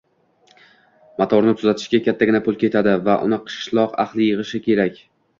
Motorni tuzatishga kattagina pul ketadi va uni qishloq ahli yigʻishi kerak.